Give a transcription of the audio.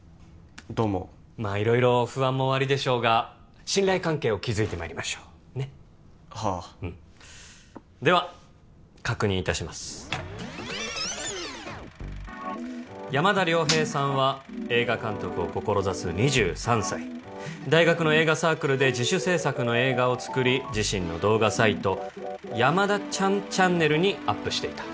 どうもまあ色々不安もおありでしょうが信頼関係を築いてまいりましょうねっはあうんでは確認いたします山田遼平さんは映画監督を志す２３歳大学の映画サークルで自主制作の映画を作り自身の動画サイト「やまだちゃんチャンネル」にアップしていた